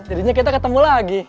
jadinya kita ketemu lagi